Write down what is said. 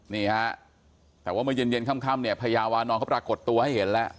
นี่ครับแต่ว่าเย็นค่ำพญาวะนอนก็ปรากฏตัวให้เห็นแล้ว